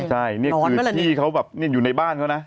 ใช่นี่คือที่เขาแบบอยู่ในบ้านเขานะ